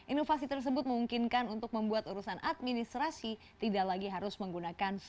inovasi tersebut memungkinkan untuk membuat urusan administrasi tidak lagi harus menggunakan surat surat fisik